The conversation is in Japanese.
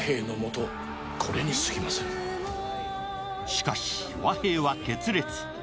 しかし、和平は決裂。